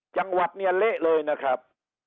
จังหวัดเนี่ยเละเลยนะครับ